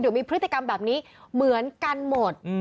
เดี๋ยวมีพฤติกรรมแบบนี้เหมือนกันหมด